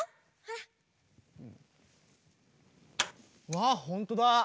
わっほんとだ。